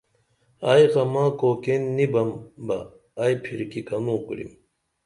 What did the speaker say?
ائی غمہ کوکین نی بم بہ ائی پِھرکی کنوں کُرِم